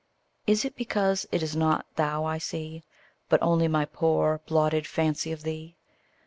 Is it because it is not thou I see, But only my poor, blotted fancy of thee?